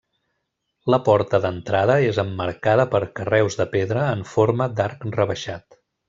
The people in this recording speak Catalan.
La porta d'entrada és emmarcada per carreus de pedra en forma d'arc rebaixat.